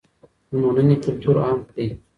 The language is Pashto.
د مننې کلتور عام کړئ.